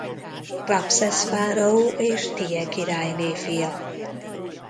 Ramszesz fáraó és Tije királyné fia.